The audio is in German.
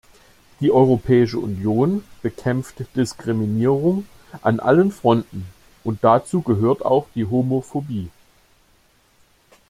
Die Europäische Union bekämpft Diskriminierung an allen Fronten, und dazu gehört auch die Homophobie.